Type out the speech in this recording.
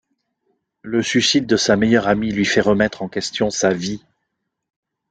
Le suicide de sa meilleure amie lui fait remettre en question sa vie.